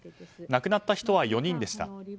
亡くなった人は４人でした。